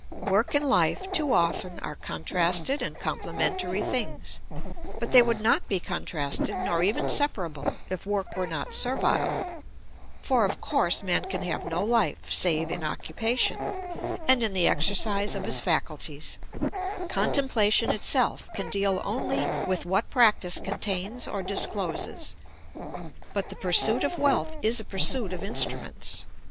Work and life too often are contrasted and complementary things; but they would not be contrasted nor even separable if work were not servile, for of course man can have no life save in occupation, and in the exercise of his faculties; contemplation itself can deal only with what practice contains or discloses. But the pursuit of wealth is a pursuit of instruments.